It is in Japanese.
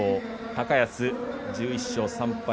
高安１１勝３敗。